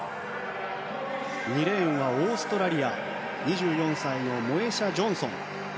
２レーンはオーストラリア２４歳のモエシャ・ジョンソン。